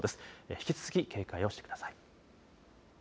引き続き警戒をしてください。